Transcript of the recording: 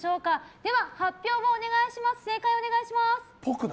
では正解をお願いします。